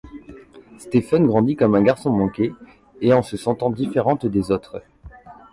Stephen grandit comme un garçon manqué, et en se sentant différente des autres.